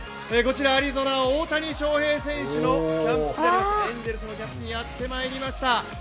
こちらアリゾナは大谷翔平選手のエンゼルスのキャンプ地にやってまいりました。